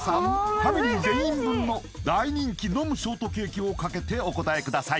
ファミリー全員分の大人気飲むショートケーキをかけてお答えください